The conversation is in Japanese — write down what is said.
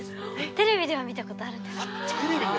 テレビでは見たことあるんですテレビで？